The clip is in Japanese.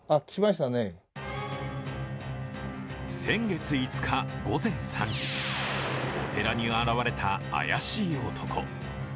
先月５日午前３時、お寺に現れた怪しい男。